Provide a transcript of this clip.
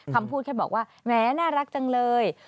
คำพูดแค่บอกว่าแม้น่ารักจังเลย